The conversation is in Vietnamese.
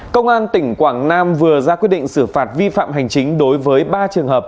công an tỉnh quảng nam vừa ra quyết định xử phạt vi phạm hành chính đối với ba trường hợp